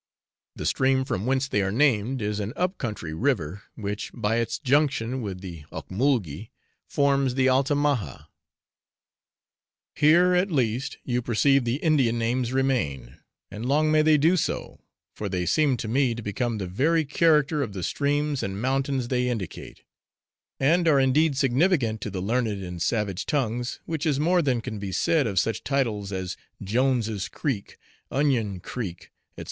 The stream from whence they are named is an up country river, which, by its junction with the Ocmulgee, forms the Altamaha. Here at least, you perceive the Indian names remain, and long may they do so, for they seem to me to become the very character of the streams and mountains they indicate, and are indeed significant to the learned in savage tongues, which is more than can be said of such titles as Jones's Creek, Onion Creek, &c.